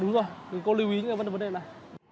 đúng rồi cô lưu ý những cái vấn đề này